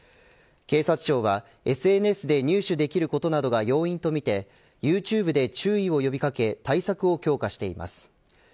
警察庁はＳＮＳで入手できることなどが要因とみてユーチューブで注意を呼び掛け対策を強化しています。